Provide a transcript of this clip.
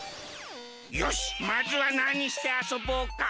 よしまずはなにしてあそぼうか。